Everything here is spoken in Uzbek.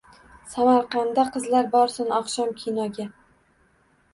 Samarqandda qizlar borsin oqshom kinoga.